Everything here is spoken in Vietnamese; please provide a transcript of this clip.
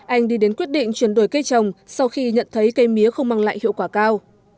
anh đi đến quyết định chuyển đổi cây trồng sau khi nhận thấy cây mía không mang lại hiệu quả cao